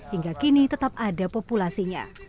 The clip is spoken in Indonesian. hingga kini tetap ada populasinya